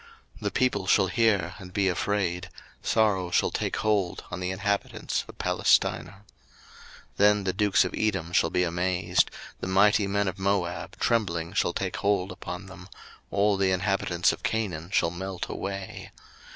02:015:014 The people shall hear, and be afraid: sorrow shall take hold on the inhabitants of Palestina. 02:015:015 Then the dukes of Edom shall be amazed; the mighty men of Moab, trembling shall take hold upon them; all the inhabitants of Canaan shall melt away.